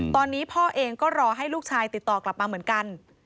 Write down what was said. ตอนนี้พ่อเองก็รอให้ลูกชายติดต่อกลับมาเหมือนกัน